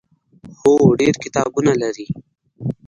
هو، ډیر کتابونه لري